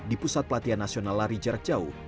di pusat pelatihan nasional lari jarak jauh